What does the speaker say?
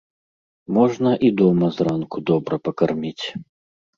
Можна і дома зранку добра пакарміць.